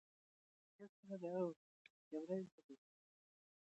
صداقت زموږ لومړیتوب دی.